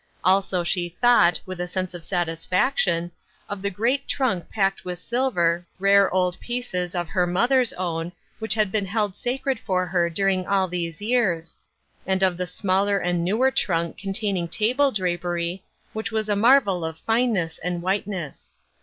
Also, she thought, with a sense of satisfaction, of the great trunk packed with silver, rare old pieces of her mother's own, which had been held sacred for her during all these years, and of the smaller and newer trunk con taining table drapery, which was a marvel of fineness and whiteness.